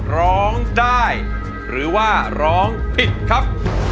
ร้องได้หรือว่าร้องผิดครับ